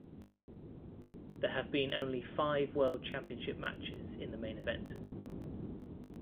There have only been five World Championship matches in the main event.